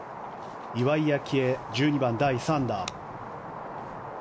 岩井明愛、１２番、第３打。